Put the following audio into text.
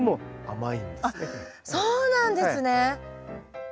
あっそうなんですね！